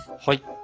はい。